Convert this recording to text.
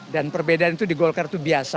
dan perbedaan itu di golkar itu biasa